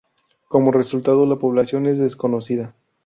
Como resultado, la población es desconocida.